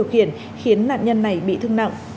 phụ nữ điều khiển khiến nạn nhân này bị thương nặng